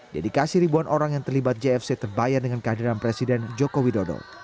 dedikasi ribuan orang yang terlibat jfc terbayar dengan kehadiran presiden joko widodo